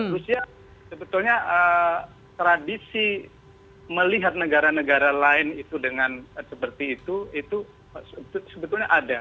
rusia sebetulnya tradisi melihat negara negara lain itu dengan seperti itu itu sebetulnya ada